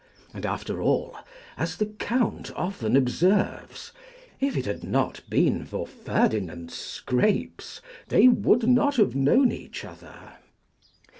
And after all, as the Count often observes, if it had not been for Ferdinand's scrapes they would not have known each other.